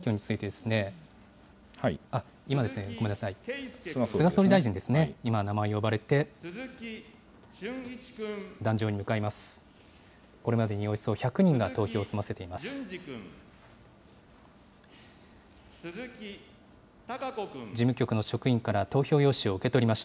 これまでにおよそ１００人が投票を済ませています。